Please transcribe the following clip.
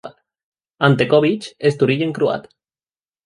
Ante Covic és d'origen croat.